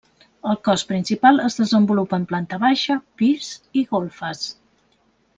El cos principal es desenvolupa en planta baixa, pis i golfes.